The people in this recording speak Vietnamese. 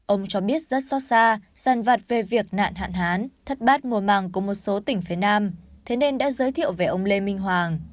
ông cho biết rất xót xa san vạt về việc nạn hạn hán thất bát mùa màng của một số tỉnh phía nam thế nên đã giới thiệu về ông lê minh hoàng